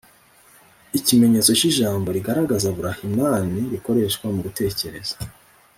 ikimenyetso cy’ijambo rigaragaza burahimani rikoreshwa mu gutekereza